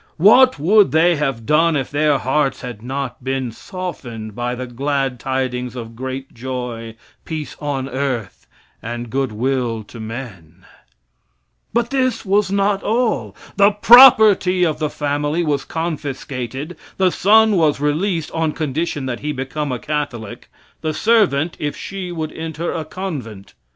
What would they have done if their hearts had not been softened by the glad tidings of great joy, peace on earth and good will to men? But this was not all. The property of the family was confiscated; the son was released on condition that he become a Catholic; the servant if she would enter a convent.